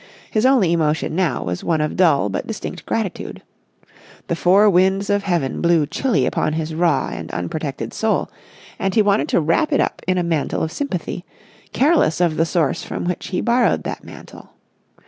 His only emotion now, was one of dull but distinct gratitude. The four winds of Heaven blew chilly upon his raw and unprotected soul, and he wanted to wrap it up in a mantle of sympathy, careless of the source from which he borrowed that mantle.